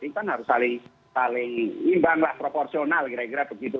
ini kan harus saling imbang lah proporsional kira kira begitu